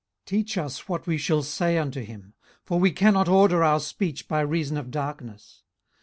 18:037:019 Teach us what we shall say unto him; for we cannot order our speech by reason of darkness.